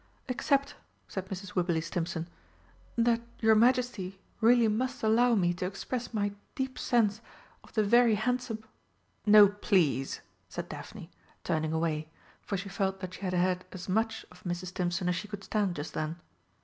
"Except," said Mrs. Wibberley Stimpson, "that your Majesty really must allow me to express my deep sense of the very handsome " "No, please!" said Daphne, turning away, for she felt that she had had as much of Mrs. Stimpson as she could stand just then.